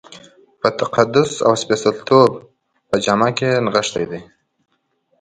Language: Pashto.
په تقدس او سپېڅلتوب په جامه کې نغښتی دی.